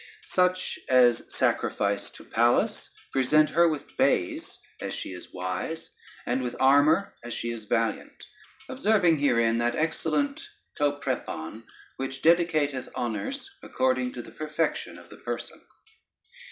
Such as sacrifice to Pallas, present her with bays as she is wise, and with armor as she is valiant; observing herein that excellent [Greek: to prepon], which dedicateth honors according to the perfection of the person.